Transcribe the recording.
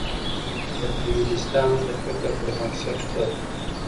د فيمنستانو د فکر پر بنسټ، که